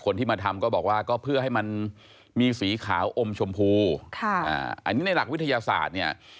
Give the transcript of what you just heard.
คนที่มาทำก็บอกว่าก็เพื่อให้มันมีสีขาวอมชมพูค่ะอันนี้ในหลักวิทยาศาสตร์เนี่ย